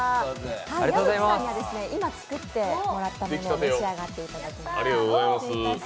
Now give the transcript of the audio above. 矢吹さんには今作ってもらったものを召し上がっていただきます。